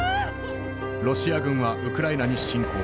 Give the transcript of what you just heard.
ロシア軍はウクライナに侵攻。